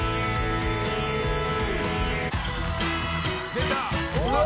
「出た。